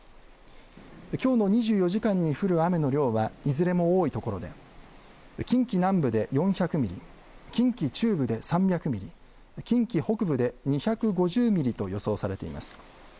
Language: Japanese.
きょうの２４時間に降る雨の量はいずれも多いところで近畿南部で４００ミリ、近畿中部で３００ミリ、近畿北部で２５０ミリと予想されています。